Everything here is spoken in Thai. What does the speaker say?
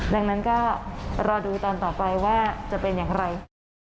ดังนั้นก็รอดูตอนต่อไปว่าจะเป็นอย่างไร